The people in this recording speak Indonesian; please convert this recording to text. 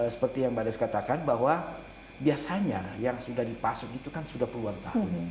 seperti yang mbak des katakan bahwa biasanya yang sudah dipasung itu kan sudah puluhan tahun